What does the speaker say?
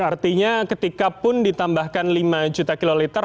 artinya ketikapun ditambahkan lima juta kiloliter